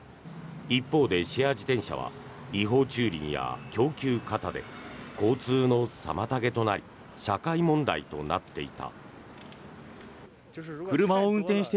一方でシェア自転車は違法駐輪や供給過多で交通の妨げとなり社会問題となっていた。